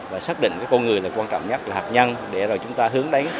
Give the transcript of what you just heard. và xác định con người là quan trọng nhất là hạt nhân để rồi chúng ta hướng đáy